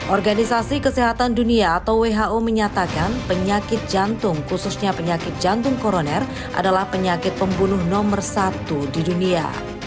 organisasi kesehatan dunia atau who menyatakan penyakit jantung khususnya penyakit jantung koroner adalah penyakit pembunuh nomor satu di dunia